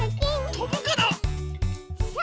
とぶかな？